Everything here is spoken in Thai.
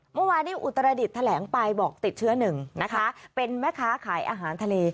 เมื่อวานนี้อุตรดิษฐ์แถลงไปบอกติดเชื้อหนึ่งนะคะเป็นแม่ค้าขายอาหารทะเล